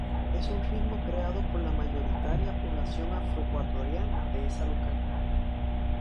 Es un ritmo creado por la mayoritaria población afro-ecuatoriana de esa localidad.